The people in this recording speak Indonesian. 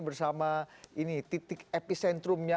bersama titik epicentrumnya